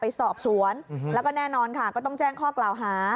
ไปสอบสวนแล้วก็แน่นอนค่ะก็ต้องแจ้งข้อกล่าวหา